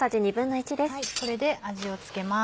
これで味を付けます。